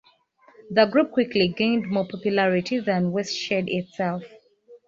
The group quickly gained more popularity than Watershed itself.